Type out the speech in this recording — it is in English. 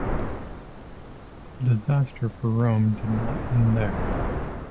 The disaster for Rome did not end there.